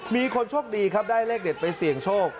มีคนโชคดีครับได้เลขเด็ดไปเสี่ยงโชค